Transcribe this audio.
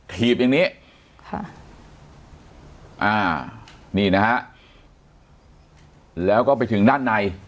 ถีบอย่างนี้ค่ะอ่านี่นะฮะแล้วก็ไปถึงด้านใน